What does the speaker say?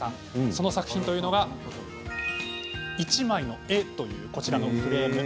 その作品が「一枚の絵」というこちらのフレーム。